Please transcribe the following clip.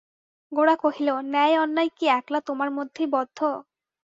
গোরা কহিল, ন্যায় অন্যায় কি একলা তোমার মধ্যেই বদ্ধ?